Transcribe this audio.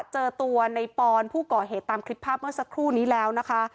เจอตัวในปอนผู้ก่อเหตุตามคลิปภาพเมื่อสักครู่นี้แล้วนะคะ